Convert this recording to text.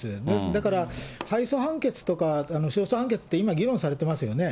だから、敗訴判決とか、勝訴判決って今、議論されてますよね。